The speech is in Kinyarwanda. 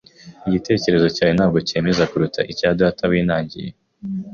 Igitekerezo cyawe ntabwo cyemeza kuruta icya data winangiye.